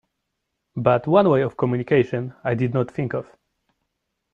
But one way of communication I did not think of.